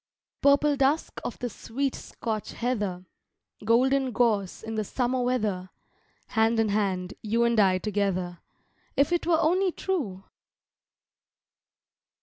Purple dusk of the sweet Scotch heather, Golden gorse, in the summer weather, Hand in hand, you and I together, If it were only true!